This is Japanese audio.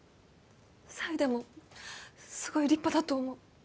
３位でもすごい立派だと思う